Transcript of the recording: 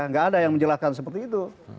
nggak ada yang menjelaskan seperti itu